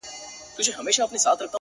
هغه نجلۍ نوره له ما څخه پرده نه کوي!